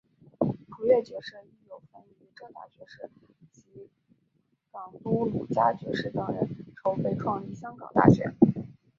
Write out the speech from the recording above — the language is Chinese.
普乐爵士亦有份与遮打爵士及港督卢嘉爵士等人筹备创立香港大学。